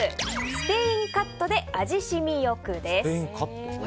スペインカットで味しみよくです。